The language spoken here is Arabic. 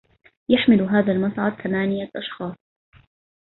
يحمل هذا المصعد ثمانية أشخاص.